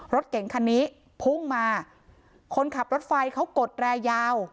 รถเก่งคันนี้พุ่งมาคนขับรถไฟเขากดแรยาว